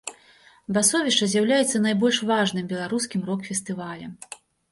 Басовішча з'яўляецца найбольш важным беларускім рок-фестывалем.